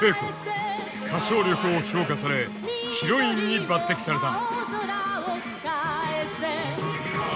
歌唱力を評価されヒロインに抜てきされた。